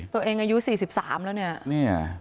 ตัวเองอายุ๔๓แล้วเนี่ย